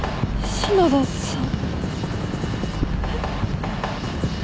篠田さん。